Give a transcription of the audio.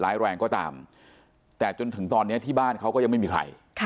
ร้ายแรงก็ตามแต่จนถึงตอนนี้ที่บ้านเขาก็ยังไม่มีใคร